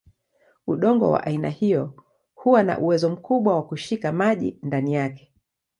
Udongo wa aina hiyo huwa na uwezo mkubwa wa kushika maji ndani yake.